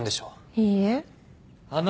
いいえ。